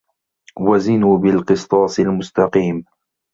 وَزِنوا بِالقِسطاسِ المُستَقيمِ